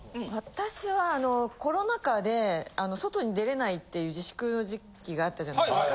私はコロナ禍で外に出れないっていう自粛の時期があったじゃないですか。